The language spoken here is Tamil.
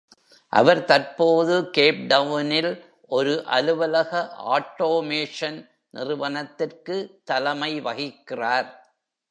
அவர் தற்போது கேப்டவுனில் ஒரு அலுவலக ஆட்டோமேஷன் நிறுவனத்திற்கு தலைமை வகிக்கிறார்.